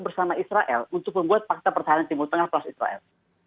bersama israel untuk membuat fakta pertahanan timur tengah plus israel